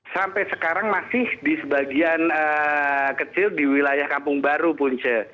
sampai sekarang masih di sebagian kecil di wilayah kampung baru punce